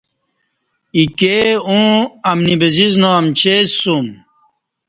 ایکے اوں امنی بزسنا امچے سُوم